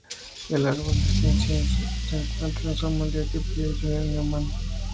El árbol del incienso se encuentra en Somalia, Etiopía, Yemen y Omán.